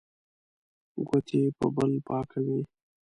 ګوتې په بل پاکوي.